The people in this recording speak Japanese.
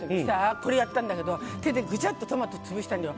これやったんだけど手で、ぐちゃっとトマト潰したのよ。